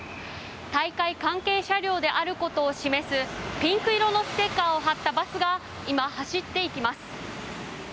大会関係車両であることを示すピンク色のステッカーを貼ったバスが今、走っていきます。